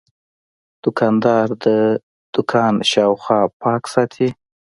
دوکاندار د دوکان شاوخوا پاک ساتي.